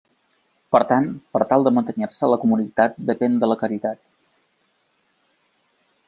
Per tant, per tal de mantenir-se, la comunitat depèn de la caritat.